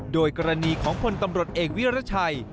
โดยกรณีของพลตำรวจเอกวิรัชัย